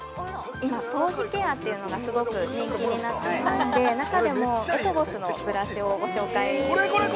今頭皮ケアっていうのがすごく人気になっていまして中でもＥＴＶＯＳのブラシをご紹介します